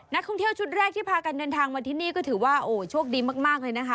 นักท่องเที่ยวชุดแรกที่พากันเดินทางมาที่นี่ก็ถือว่าโอ้โชคดีมากเลยนะคะ